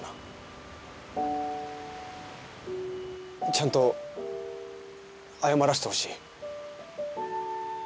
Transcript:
ちゃんと謝らせてほしい。